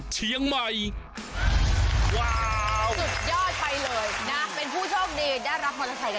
เค้าไม่ยอมก็ต้องพอคุณหลานนะพร้อมแล้ว